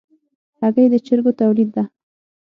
هګۍ د چرګو تولید ده.